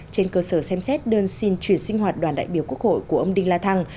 trên cơ sở xem xét đơn xin chuyển sinh hoạt đoàn đại biểu quốc hội của ông đinh la thăng